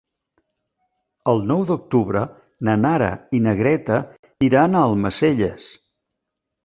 El nou d'octubre na Nara i na Greta iran a Almacelles.